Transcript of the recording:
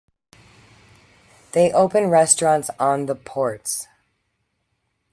They opened restaurants on the ports.